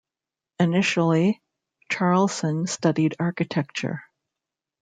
Initially Charleson studied architecture.